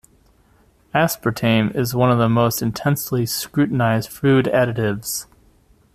Aspartame is one of the most intensively scrutinized food additives.